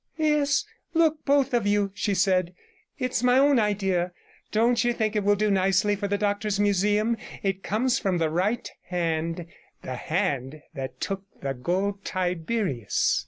'Yes, look, both of you,' she said; 'it's my own idea. Don't you think it will do nicely for the doctor's museum? It comes from the right hand, the hand that took the Gold Tiberius.'